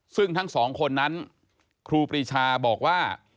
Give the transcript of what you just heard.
ซึ่งทั้งสองคนนั้นครูปรีชาบอกว่า